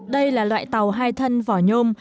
đây là loại tàu hai thân vỏ nhôm